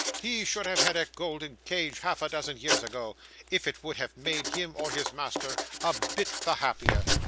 He should have had a golden cage half a dozen years ago, if it would have made him or his master a bit the happier.